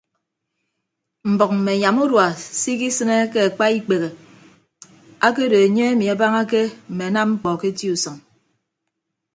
Mbʌk mme anyam urua se ikisịne ke akpa ikpehe akedo enye emi abañake mme anam mkpọ ke eti usʌñ.